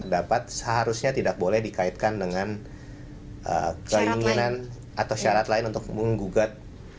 dapat seharusnya tidak boleh dikaitkan dengan keinginan atau syarat lain untuk menggugat